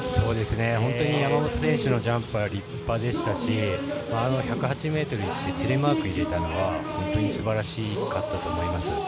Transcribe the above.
本当に山本選手のジャンプは立派でしたし、１０８ｍいってテレマーク入れたのは本当すばらしかったと思います。